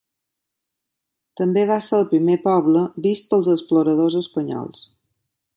També va ser el primer poble vist pels exploradors espanyols.